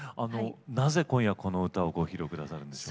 なぜ今夜この歌をご披露くださるんでしょう？